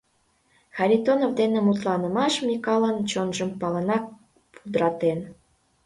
Харитонов дене мутланымаш Микалын чонжым палынак пудратен.